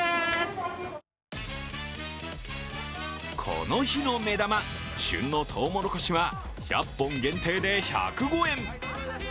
この日の目玉、旬のトウモロコシは１００本限定で１０５円。